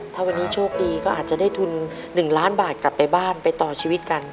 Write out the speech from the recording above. ถ้าวันนี้โชคดีก็อาจจะได้ทุน๑ล้านบาทกลับไปบ้านไปต่อชีวิตกัน